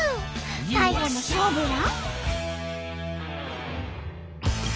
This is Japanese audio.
最後の勝負は？